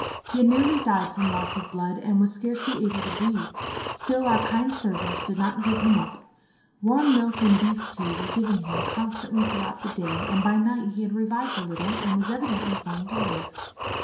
He had nearly died from loss of blood, and was scarcely able to breathe; still, our kind servants did not give him up; warm milk and beef tea were given him constantly through the day; and by night he had revived a little, and was evidently going to live.